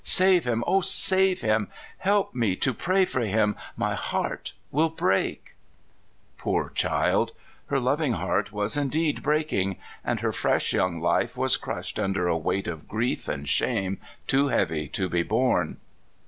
Save him, O save him ! Help me to pray for him ! My heart will break !" Poor child ! her loving heart was indeed break ing; and her fresh young life was crushed under a weight of grief and shame too heavy to be borne.